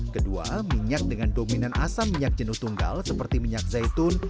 kedua minyak dengan dominan asam minyak jenuh tunggal seperti minyak zaitun